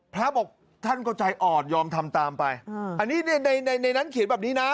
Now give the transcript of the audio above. พระบอกท่านก็ใจอ่อนยอมทำตามไปอันนี้ในในนั้นเขียนแบบนี้นะ